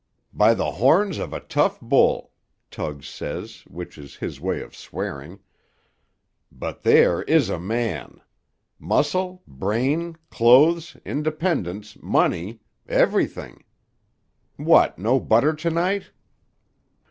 "By the horns of a tough bull," Tug says, which is his way of swearing, "but there is a man. Muscle, brain, clothes, independence, money; everything. What, no butter to night?"